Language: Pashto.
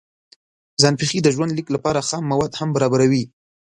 ځان پېښې د ژوند لیک لپاره خام مواد هم برابروي.